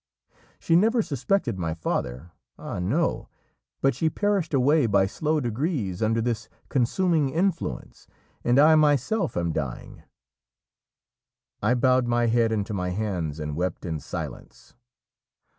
She never suspected my father ah no! but she perished away by slow degrees under this consuming influence! and I myself am dying." I bowed my head into my hands and wept in silence.